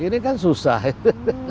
ini kan susah ya